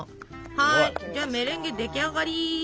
はいメレンゲ出来上がり。